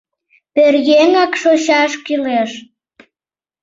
Пӧръеҥак шочаш кӱлеш!..